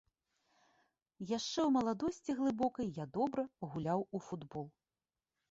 Яшчэ ў маладосці глыбокай я добра гуляў у футбол.